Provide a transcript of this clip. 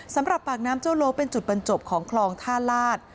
สำหรับปากน้ำเจ้าโลเป็นจุดบรรจบของคลองท่าลาศ